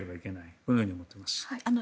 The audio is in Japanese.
このように思っています。